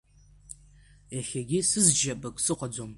Иахьагьы сызшьапык сыхәаӡом.